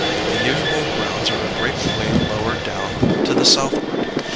"The usual grounds are a great way lower down to the southward.